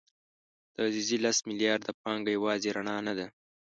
د عزیزي لس میلیارده پانګه یوازې رڼا نه ده.